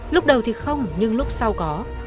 lúc đầu thì không nhưng lúc sau có